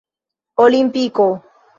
olimpiko